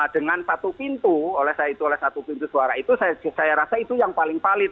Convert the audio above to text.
dengan satu pintu oleh satu pintu suara itu saya rasa itu yang paling valid